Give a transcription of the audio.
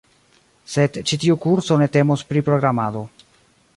sed ĉi tiu kurso ne temos pri programado